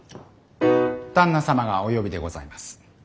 旦那様がお呼びでございます。